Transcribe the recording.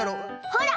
ほら！